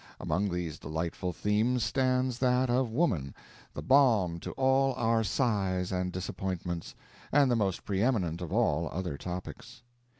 Among these delightful themes stands that of woman, the balm to all our sighs and disappointments, and the most pre eminent of all other topics.